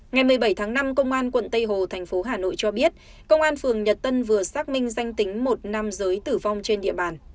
ngày một mươi bảy tháng năm công an quận tây hồ thành phố hà nội cho biết công an phường nhật tân vừa xác minh danh tính một nam giới tử vong trên địa bàn